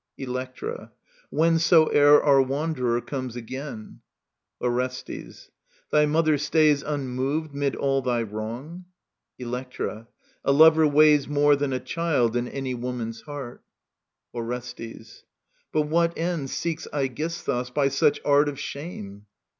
Electra. Whensoever Our wanderer comes again ! Orestes. Thy mother stays Unmoved 'mid all thy wrong ? Electra. A lover weighs More than a child in any woman's heart. Digitized by VjOOQIC ELECTRA 19 Orestes* But what end seeks Aegisthus, by such art Of shame